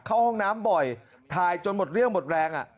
เข้าห้องน้ำบ่อยถ่ายจนหมดเรี่ยวหมดแรง